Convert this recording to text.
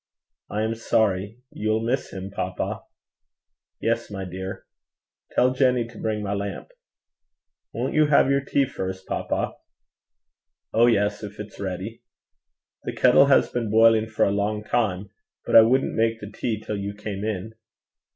'I am sorry. You'll miss him, papa.' 'Yes, my dear. Tell Jenny to bring my lamp.' 'Won't you have your tea first, papa?' 'Oh yes, if it's ready.' 'The kettle has been boiling for a long time, but I wouldn't make the tea till you came in.'